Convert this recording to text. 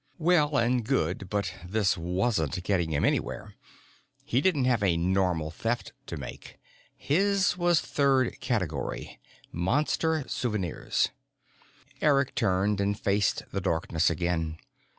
Well and good, but this wasn't getting him anywhere. He didn't have a normal Theft to make. His was third category. Monster souvenirs. Eric turned and faced the darkness again.